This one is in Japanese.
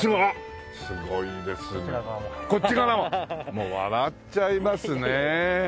もう笑っちゃいますねえ。